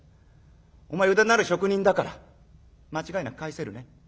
お前腕のある職人だから間違いなく返せるね？